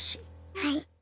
はい。